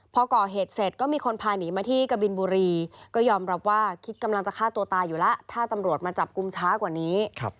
พอก่อเหตุเสร็จก็มีคนพาหนีมาที่กะบินบุรีก็ยอมรับว่าคิดกำลังจะฆ่าตัวตายอยู่แล้วถ้าตำรวจมาจับกลุ่มช้ากว่านี้